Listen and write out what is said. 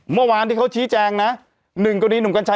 เมื่อวานที่เขาชี้แจงนะ๑กรณีหนุ่มกัญชัย